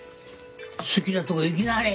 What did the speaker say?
好きなとこ行きなはれ！」。